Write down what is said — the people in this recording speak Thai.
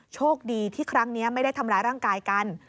โชคดีที่ครั้งนี้ไม่ได้ทำร้ายร่างกายกัน